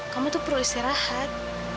kamu tuh perlu istirahat